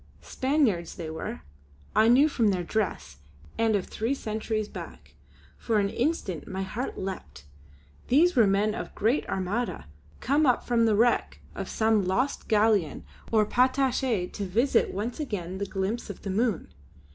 Spaniards they were, I knew from their dress, and of three centuries back. For an instant my heart leapt; these were men of the great Armada, come up from the wreck of some lost galleon or patache to visit once again the glimpses of the Moon.